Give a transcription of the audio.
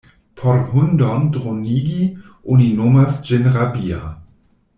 Por hundon dronigi, oni nomas ĝin rabia.